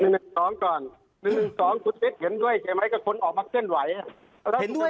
ลาเทะค้นกันในตอน๑๒